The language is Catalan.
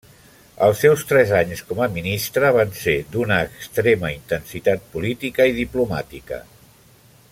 Els seus tres anys com a ministre van ser d'una extrema intensitat política i diplomàtica.